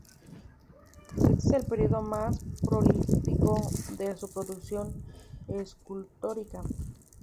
Este es el período más prolífico de su producción escultórica.